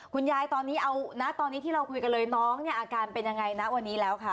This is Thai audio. คุณยายตอนนี้เอานะตอนนี้ที่เราคุยกันเลยน้องเนี่ยอาการเป็นยังไงนะวันนี้แล้วคะ